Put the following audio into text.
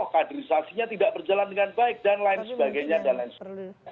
kaderisasinya tidak berjalan dengan baik dan lain sebagainya